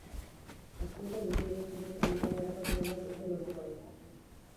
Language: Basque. Asteetan ibili omen ziren animalia harrapatu nahian ezer lortu gabe.